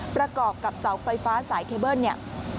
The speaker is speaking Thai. ประกอบกับเสาไฟฟ้าสายเคเบิ้ลเนี่ย